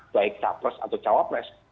baik capres atau cawapres